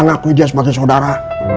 ngakui dia sebagai saudara